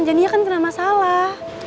jadinya kan ternyata masalah